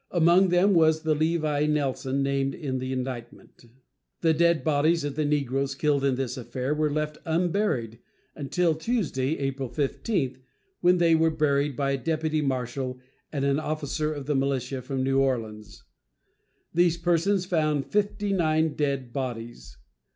Among them was the Levi Nelson named in the indictment. The dead bodies of the negroes killed in this affair were left unburied until Tuesday, April 15, when they were buried by a deputy marshal and an officer of the militia from New Orleans. These persons found fifty nine dead bodies.